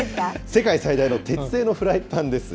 世界最大の鉄製のフライパンです。